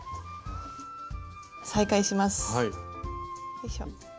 よいしょ。